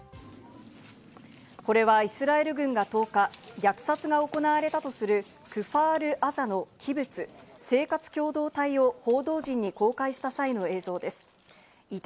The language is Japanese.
これは、イスラエル軍が１０日、虐殺が行われたとするクファール・アザのキブツ＝生活共同体を報道陣に公開した際の映像です。